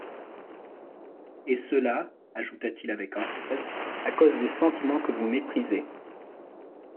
Et cela,» ajouta-t-il avec emphase, «à cause des sentiments que vous méprisez.